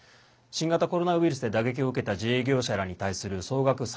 新型コロナウイルスで打撃を受けた自営業者らに対する総額